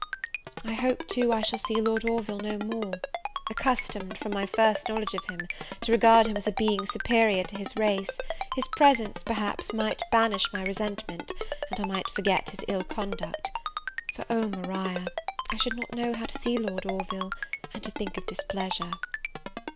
I hope, too, I shall see Lord Orville no more: accustomed, from my first knowledge of him, to regard him as a being superior to his race, his presence, perhaps, might banish my resentment, and I might forget his ill conduct; for oh, Maria! I should not know how to see Lord Orville and to think of displeasure!